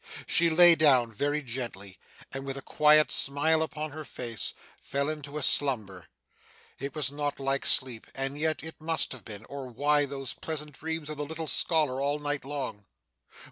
She lay down, very gently, and, with a quiet smile upon her face, fell into a slumber. It was not like sleep and yet it must have been, or why those pleasant dreams of the little scholar all night long!